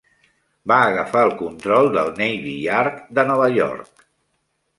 Va agafar el control del Navy Yard de Nova York.